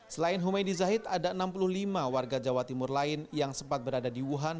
selain humaydi zahid ada enam puluh lima warga jawa timur lain yang sempat berada di wuhan